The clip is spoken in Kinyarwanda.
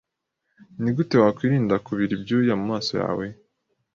Nigute wakwirinda kubira ibyuya mumaso yawe?